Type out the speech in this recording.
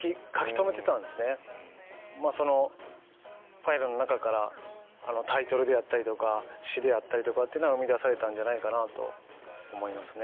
まぁそのファイルの中からタイトルであったりとか詩であったりとかってのが生み出されたんじゃないかなと思いますね。